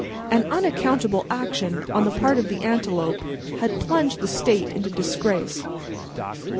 An unaccountable action on the part of the antelope had plunged the State into disgrace.